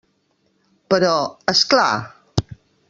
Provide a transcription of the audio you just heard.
Però... és clar!